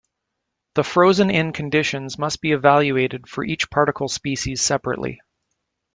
The frozen-in conditions must be evaluated for each particle species separately.